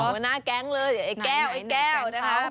หัวหน้าแก๊งเลยไอ้แก้วไอ้แก้วนะคะ